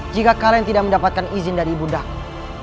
jika kalian tidak mendapatkan izin dari ibundaku